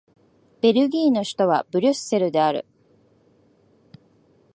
ベルギーの首都はブリュッセルである